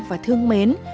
và thương mến